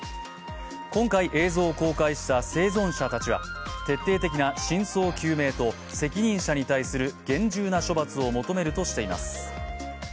今回映像を公開した生存者たちは、徹底的な真相究明と責任者に対する厳重な処罰を求めるとしています。